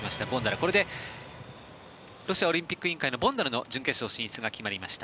これでロシアオリンピック委員会のボンダルの準決勝進出が決まりました。